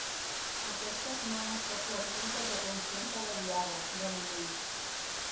Aquestes no han estat les úniques detencions de la Diada, de moment.